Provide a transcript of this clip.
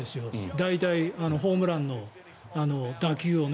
大体、ホームランの打球をね。